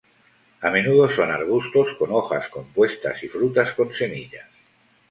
A menudo son arbustos con hojas compuestas y frutas con semillas.